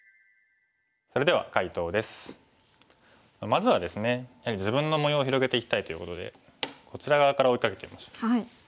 まずはですねやはり自分の模様を広げていきたいということでこちら側から追いかけてみましょう。